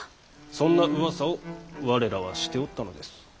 そんなうわさを我らはしておったのです。